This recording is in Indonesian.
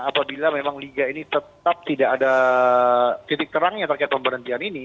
apabila memang liga ini tetap tidak ada titik terangnya terkait pemberhentian ini